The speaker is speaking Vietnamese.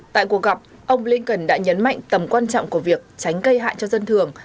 tại cuộc gặp ông blinken đã nhấn mạnh tầm quan trọng của việc tránh gây hại cho dân thường